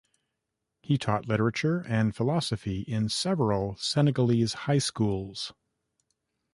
He taught literature and philosophy in several Senegalese high schools.